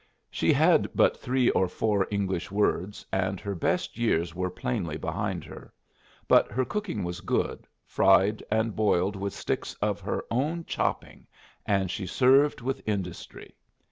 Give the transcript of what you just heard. She had but three or four English words, and her best years were plainly behind her; but her cooking was good, fried and boiled with sticks of her own chopping, and she served with industry.